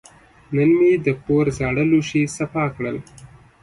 نن مې د کور زاړه لوښي صفا کړل.